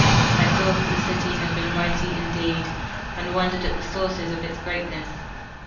I saw that the city had been mighty indeed, and wondered at the sources of its greatness.